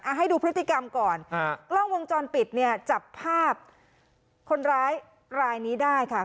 ให้ดูพฤติกรรมก่อนกล้องวงจรปิดเนี่ยจับภาพคนร้ายรายนี้ได้ค่ะ